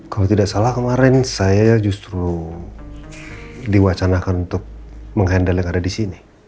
kalau tidak salah kemarin saya justru diwacanakan untuk menghandle yang ada di sini